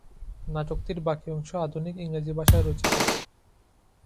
নাটকটির বাকি অংশ আধুনিক ইংরেজি ভাষায় রচিত।